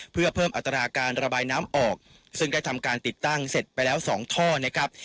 เพื่อเพิ่มอัตราการระบายน้ำออกซึ่งได้ทำการติดตั้งเสร็จไปแล้ว๒ท่อนะครับ